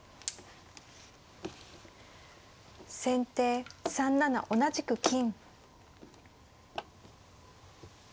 先手３七同じく金。